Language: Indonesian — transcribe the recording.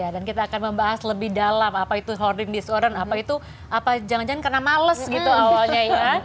dan kita akan membahas lebih dalam apa itu hoarding disorder apa itu jangan jangan kena males gitu awalnya ya